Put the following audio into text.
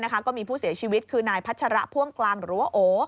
ก็มีผู้เสียชีวิตคือนายพัชระพ่วงกลางหรือว่าโอ